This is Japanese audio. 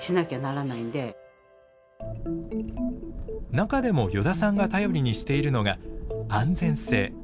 中でも依田さんが頼りにしているのが安全性。